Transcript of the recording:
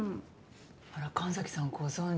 あら神崎さんご存じ？